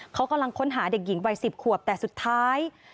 เขากำลังค้นหาเด็กหญิงวัย๑๐ขวบแต่สุดท้าย